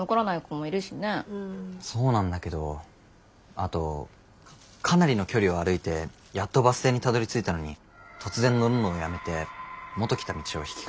あとかなりの距離を歩いてやっとバス停にたどりついたのに突然乗るのをやめて元来た道を引き返してた。